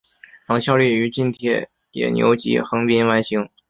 曾效力于近铁野牛及横滨湾星。